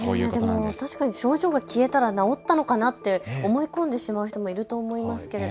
確かに症状が消えたら治ったのかなと思い込んでしまう方もいらっしゃると思います。